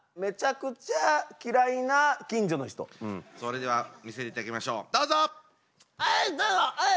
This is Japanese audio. それでは見せていただきましょうどうぞ！